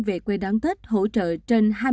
về quê đón tết hỗ trợ trên